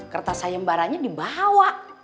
kertas sayembaranya dibawa